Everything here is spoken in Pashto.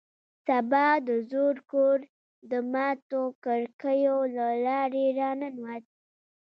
سبا د زوړ کور د ماتو کړکیو له لارې راننوت